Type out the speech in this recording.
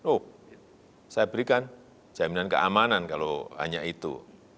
oh saya berikan jaminan keamanan kalau hanya itu